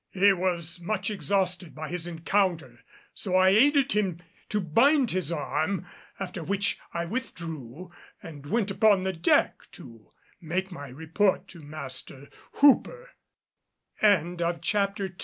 He was much exhausted by his encounter, so I aided him to bind his arm, after which I withdrew and went upon the deck to make my report to Master Hoo